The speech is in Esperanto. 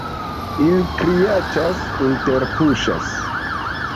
Ili kriaĉas, interpuŝas.